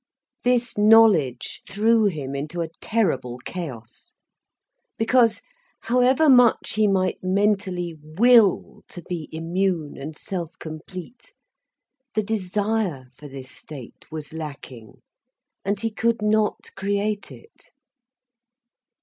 This knowledge threw him into a terrible chaos. Because, however much he might mentally will to be immune and self complete, the desire for this state was lacking, and he could not create it.